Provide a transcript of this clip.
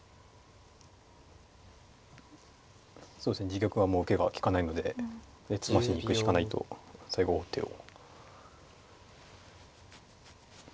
そうですね自玉はもう受けが利かないのでで詰ましに行くしかないと王手を。